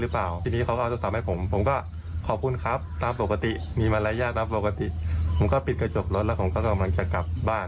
ปกติผมก็ปิดกระจกรถแล้วผมก็กำลังจะกลับบ้าน